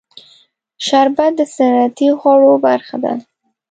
شربت د سنتي خوړو برخه ده